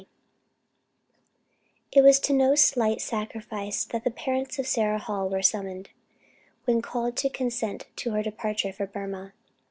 B. It was to no slight sacrifice that the parents of Sarah Hall were summoned, when called to consent to her departure for Burmah.